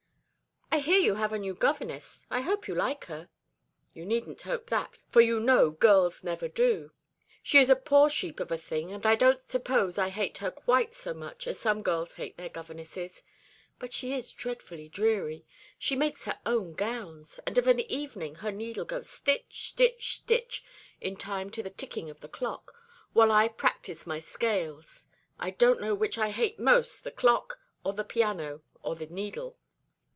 "I hear you have a new governess. I hope you like her?" "You needn't hope that, for you know girls never do. She is a poor sheep of a thing, and I don't suppose I hate her quite so much as some girls hate their governesses. But she is dreadfully dreary. She makes her own gowns; and of an evening her needle goes stitch, stitch, stitch, in time to the ticking of the clock, while I practise my scales. I don't know which I hate most, the clock, or the piano, or the needle."